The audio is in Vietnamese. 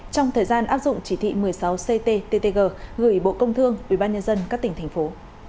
trong thời gian áp dụng chỉ thị một mươi sáu cttg gửi bộ công thương ubnd các tỉnh thành phố